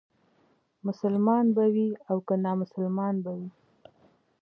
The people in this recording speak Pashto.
مسلمان به وي او که نامسلمان به وي.